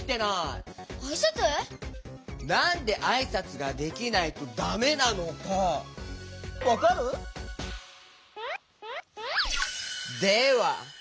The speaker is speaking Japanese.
なんであいさつができないとだめなのかわかる？では。